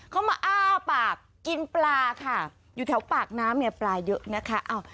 เขามาอ้าปากกินปลาค่ะอยู่แถวปากน้ำเนี่ยปลาเยอะนะคะ